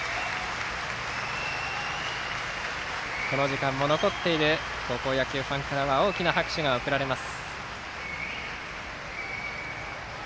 この時間も残っている高校野球ファンからは大きな拍手が送られます。